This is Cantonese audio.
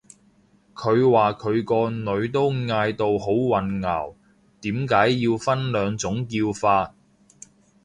佢話佢個女都嗌到好混淆，點解要分兩種叫法